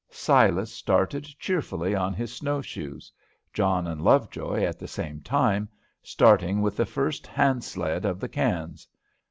Silas started cheerfully on his snow shoes; John and Lovejoy, at the same time, starting with the first hand sled of the cans.